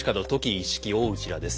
一色大内らです。